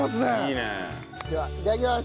ではいただきます！